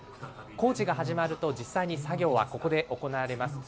工事が始まると、実際に作業はここで行われます。